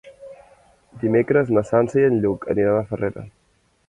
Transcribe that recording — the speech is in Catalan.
Dimecres na Sança i en Lluc aniran a Farrera.